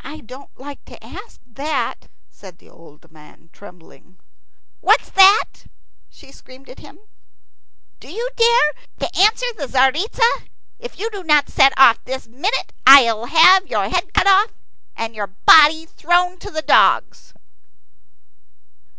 "I don't like to ask that," said the old man, trembling. "What's that?" she screamed at him. "Do you dare to answer the Tzaritza? If you do not set off this minute, I'll have your head cut off and your body thrown to the dogs."